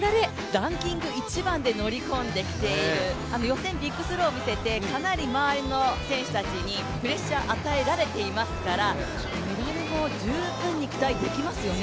ランキング１番で乗り込んできている、予選ビッグスローを見せてかなり周りの選手たちにプレッシャー与えられていますからメダルも十分に期待できますよね。